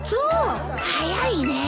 早いね。